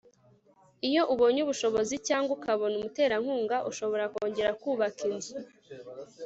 iyo ubonye ubushobozi cyangwa ukabona umuterankunga, ushobora kongera kubaka inzu